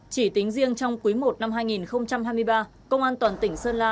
chỉ tính riêng trong quý i năm hai nghìn hai mươi ba công an toàn tỉnh sơn la